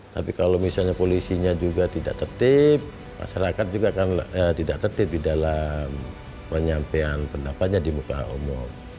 tapi kalau misalnya polisinya juga tidak tertib masyarakat juga akan tidak tertib di dalam penyampaian pendapatnya di muka umum